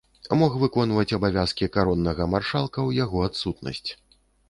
Мог выконваць абавязкі кароннага маршалка ў яго адсутнасць.